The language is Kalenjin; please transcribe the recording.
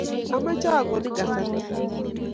ameche akonin kasarta